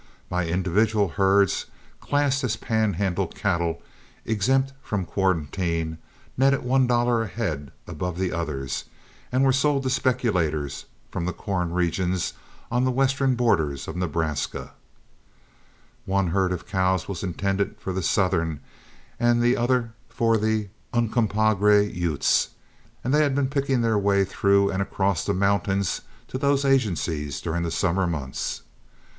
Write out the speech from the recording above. My individual herds classed as Pan Handle cattle, exempt from quarantine, netted one dollar a head above the others, and were sold to speculators from the corn regions on the western borders of Nebraska. One herd of cows was intended for the Southern and the other for the Uncompahgre Utes, and they had been picking their way through and across the mountains to those agencies during the summer mouths.